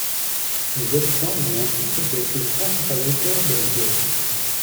Les habitans lui imputent d'être le principal auteur de la guerre.